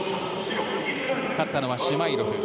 勝ったのはシュマイロフ。